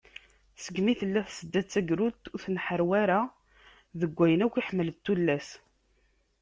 Segmi tella Tasedda d tagrudt, ur tenḥarwi ara deg wayen akk i ḥemmlent tullas.